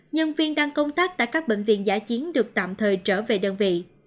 nhân viên đang công tác tại các bệnh viện giả chiến được tạm thời trở về đơn vị